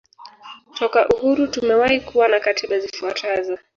Toka uhuru tumewahi kuwa na katiba zifuatazo